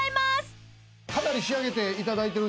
かなり仕上げていただいてる。